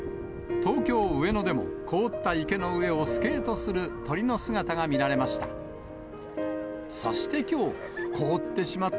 東京・上野でも、凍った池の上をスケートする鳥の姿が見られました。